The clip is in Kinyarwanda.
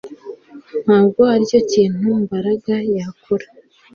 Ntabwo aricyo kintu Mbaraga yakora